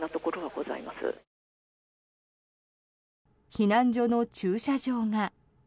避難所の駐車場が。